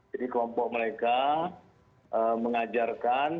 jadi kelompok mereka mengajarkan